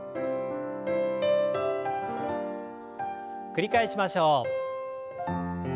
繰り返しましょう。